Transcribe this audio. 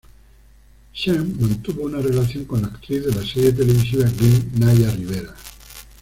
Sean mantuvo una relación con la actriz de la serie televisiva Glee, Naya Rivera.